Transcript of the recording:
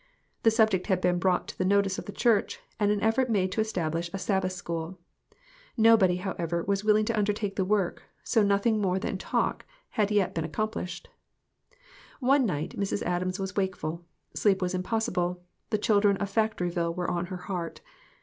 The subject had been brought to the notice of the church, and an effort made to establish a Sabbath School. Nobody, however, was willing to undertake the work, so nothing more than talk had yet been accomplished. One night Mrs. Adams was wakeful. Sleep was impossible ; the children of Factoryville were on her heart.